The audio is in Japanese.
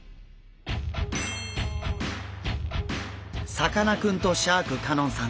さかなクンとシャーク香音さん